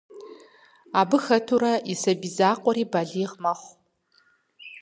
Абы хэтурэ и сабий закъуэри балигъ мэхъу.